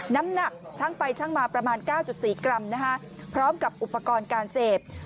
น้ำหนักช่างไปช่างมาประมาณ๙๔กรัมพร้อมกับอุปกรณ์การเสพ